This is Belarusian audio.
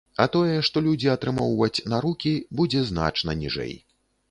А тое, што людзі атрымоўваць на рукі, будзе значна ніжэй.